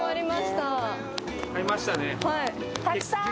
たくさん。